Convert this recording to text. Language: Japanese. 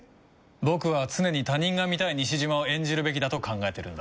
僕は常に他人が見たい西島を演じるべきだと考えてるんだ。